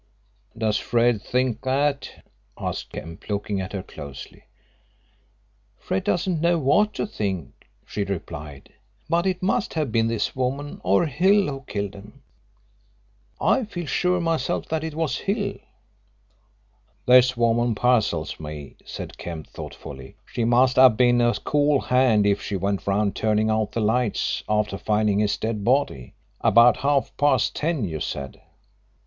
"Does Fred think that?" asked Kemp, looking at her closely. "Fred doesn't know what to think," she replied. "But it must have been this woman or Hill who killed him. I feel sure myself that it was Hill." "This woman puzzles me," said Kemp thoughtfully. "She must have been a cool hand if she went round turning out the lights after finding his dead body. About half past ten, you said?"